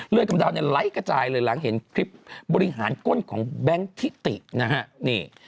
กำดาวเนี่ยไลค์กระจายเลยหลังเห็นคลิปบริหารก้นของแบงค์ทิตินะฮะนี่